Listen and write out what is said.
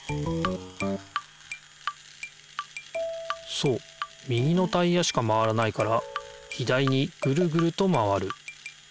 そう右のタイヤしか回らないから左にぐるぐると回る。